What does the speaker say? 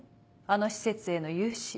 あの施設への融資。